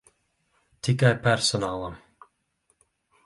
Tikai personālam.